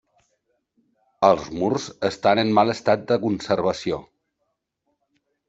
Els murs estan en mal estat de conservació.